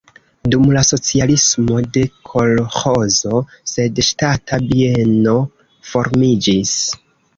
Dum la socialismo ne kolĥozo, sed ŝtata bieno formiĝis.